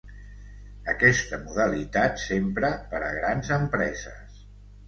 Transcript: Aquesta modalitat s'empra per a grans empreses.